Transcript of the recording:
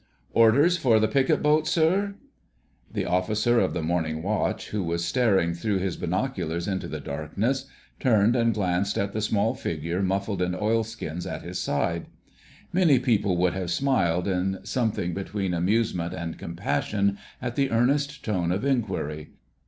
"Orders for the Picket Boat, sir?" The Officer of the Morning Watch, who was staring through his binoculars into the darkness, turned and glanced at the small figure muffled in oilskins at his side. Many people would have smiled in something between amusement and compassion at the earnest tone of inquiry.